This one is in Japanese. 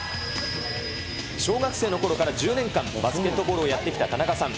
小学生のころから１０年間、バスケットボールをやってきた田中さん。